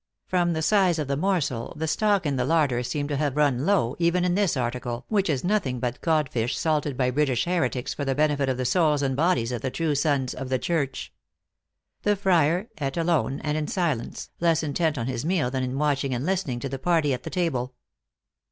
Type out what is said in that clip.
From the size of the morsel, the stock in the larder seemed to have run low, even in this article, which is nothing but codfish salted by British heretics for the benefit of the souls and bodies of the true sons of the Church. The friar eat alone and in silence, less intent on his meal than in watching and listening to the party at the table.